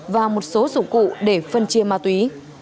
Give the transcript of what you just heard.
và một số dụng cụ để phân chia ma túy